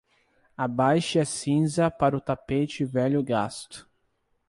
Abaixe a cinza para o tapete velho gasto.